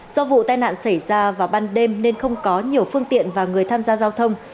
do vụ tai nạn xảy ra vào ban đêm nên không có nhiều phương tiện và người tham gia giao thông